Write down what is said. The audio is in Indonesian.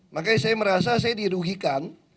makanya saya merasa saya dirugikan